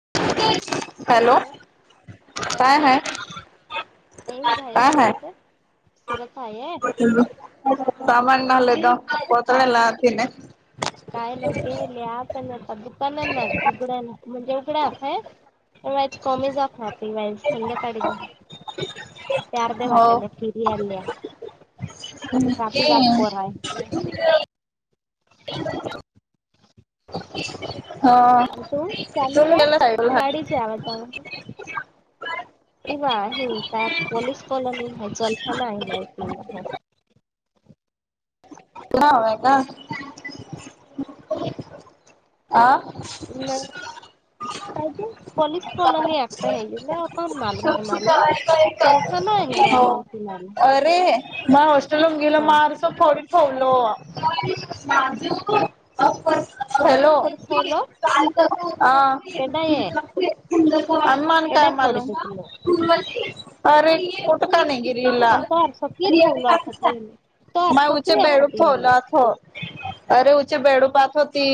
[unintelligible] Hello ह काय हाय bike जा आहे काय हाय सूरत आहे सरत आहे आहे सामान नले द पत्रलाथीने. कायलंकली आ प दुकानाना उघड्या म्हणजे, उघड्याय च कमी जात रा संध्याकाळी जा ते अर्ध्या हो वाटाने फिरी आल्या रात्री रात पोराय. [unintelligible] [inaudible] आणि तू चाली का चलेला साईडला गाडीच्यावता कवा त्यात पोलीस कॉलनी चलथाना आहे. कय का आ. नाही कायजे पॉलीस कॉलनी एकट ह गेले अण मालम आहे मल चलता ना गले हो आमती माल अरे ह फरीत ठेवलो माझ. आमचं हॅलो थोडी ठेवलं हा केडाय अमान काय केडाय फोडी मालूम देतलो अरे. का नाही गिरीला आणि त स ठवलं आताात ये तर चे भेडू वलात हो. अरे उची बेडू पाात होती.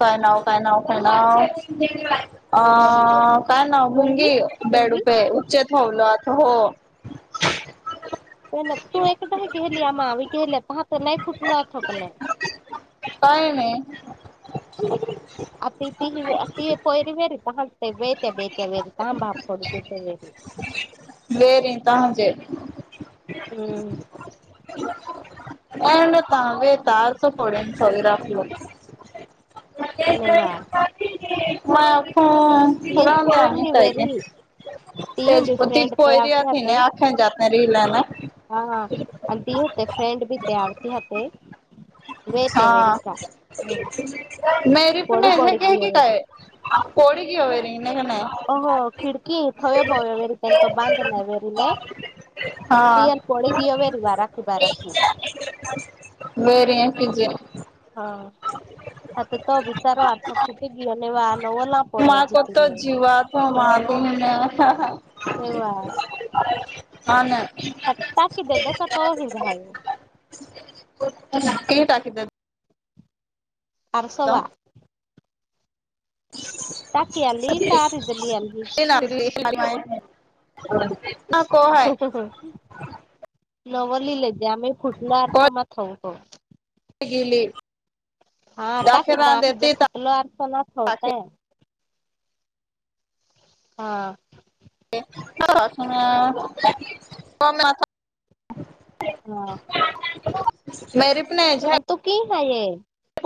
काय नाव काय नाव काय नाव अ का ना मुंगी भुंगी बेड मुंगी उपे उचचेत होवलत. हो. प तू एकदा केली आ मा पाहत नाही फुटलंथ प नाही. नवाद [inaudible] आ त ती त परी वेरी पाते बेहत्या बेहत्या वेरी त बाप फोडी देत्या वरी [inaudible] [inaudible] ए तर ह तारसो पडे सवीराखल. म नाही ते वा [inaudible] [inaudible] हो तीच रामम पोयरी काय ते वेरी ती तेज बी त फ्रेंड ते कोयरया आवती ती हाते नाही आखे जात र [inaudible] हा आणी ते होते. फ्रेंड बी ते आतीते. हा मेरी पण बडी बडी हेग ह गिय की काय. वेरी [unintelligible] [unintelligible] हा आता तो बिचारो आठसा फुट ग आणि आ नवला पड्या जीतू न [unintelligible] हा हा अरे वा! हा ना ह ताक दे दो का तो हच आहे [unintelligible] किती टाकता [unintelligible] अ सवा [unintelligible] टाकी आली [unintelligible] [inaudible] हाय हो हो हो नवलेल [unintelligible] आम्ही [unintelligible] कोण हो [unintelligible] हा टाकीि दाखेरान दक देते जे फुटलो अर स नाथ होतय [unintelligible] हा हो क [unintelligible] [unintelligible] मेरी पण एज हाय [unintelligible]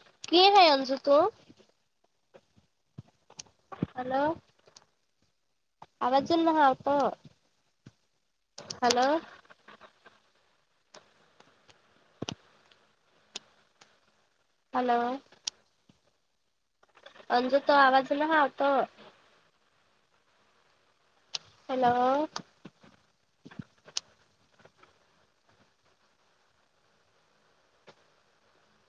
[unintelligible] हॅलो! आवाज [unintelligible] हॅलो! हॅलो! [unintelligible] हॅलो!